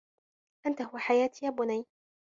أنت هو حياتي يا بنيّ.